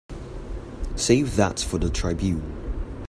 Save that for the Tribune.